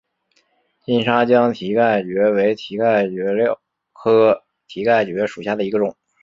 金沙江蹄盖蕨为蹄盖蕨科蹄盖蕨属下的一个种。